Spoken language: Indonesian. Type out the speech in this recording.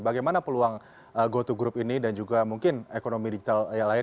bagaimana peluang gotogroup ini dan juga mungkin ekonomi digital lain